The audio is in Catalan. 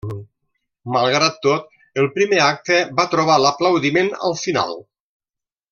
Malgrat tot, el primer acte va trobar l'aplaudiment al final.